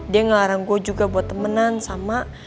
dia ngelarang gue juga buat temenan sama